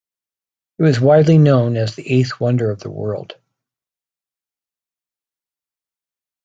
It was widely known as the "Eighth Wonder of the World".